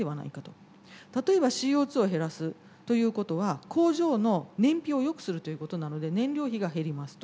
例えばＣＯを減らすということは工場の燃費をよくするということなので燃料費が減りますと。